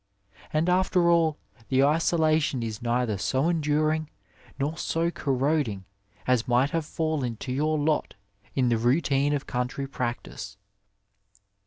And, after all, the isolation is neither so enduring nor so corroding as might have fallen to your lot in the routine of country practice.